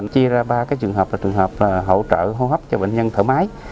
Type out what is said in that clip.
trường hợp hỗ trợ hô hấp cho bệnh nhân thở máy